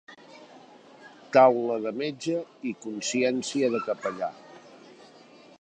Taula de metge i consciència de capellà.